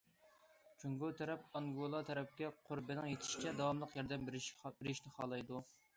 جۇڭگو تەرەپ ئانگولا تەرەپكە قۇربىنىڭ يېتىشىچە داۋاملىق ياردەم بېرىشنى خالايدۇ.